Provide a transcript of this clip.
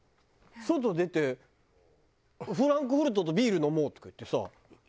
外出てフランクフルトとビール飲もうとか言ってさ。